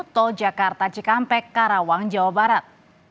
tol jakarta cikampek karawang jawa barat